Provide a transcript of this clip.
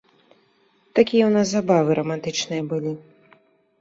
Такія ў нас забавы рамантычныя былі.